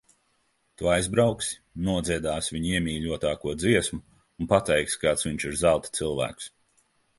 Tu aizbrauksi, nodziedāsi viņa iemīļotāko dziesmu un pateiksi, kāds viņš ir zelta cilvēks.